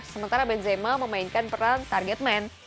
sementara benzema memainkan peran target man